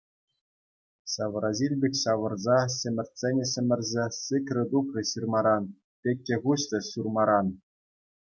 Ҫавраҫил пек ҫавӑрса, ҫӗмӗртсене ҫӗмӗрсе, сикрӗ тухрӗ ҫырмаран, пӗкке хуҫрӗ ҫурмаран.